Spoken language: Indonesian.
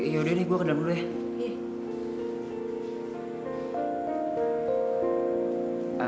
yaudah deh gua kedalem dulu ya